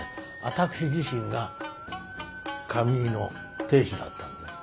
私自身が髪結いの亭主だったんです。